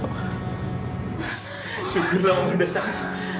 yaudah kamu muah siang